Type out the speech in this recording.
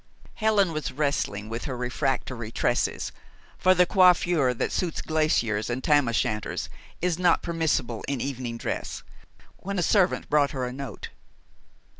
Helen was wrestling with her refractory tresses for the coiffure that suits glaciers and Tam o'Shanters is not permissible in evening dress when a servant brought her a note.